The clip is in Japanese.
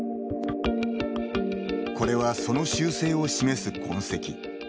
これは、その習性を示す痕跡。